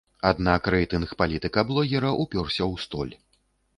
Аднак рэйтынг палітыка-блогера ўпёрся ў столь.